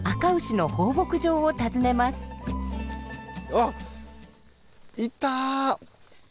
あっいた！